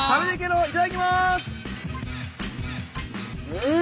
うん。